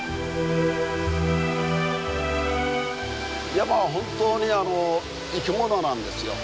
山は本当に生き物なんですよ。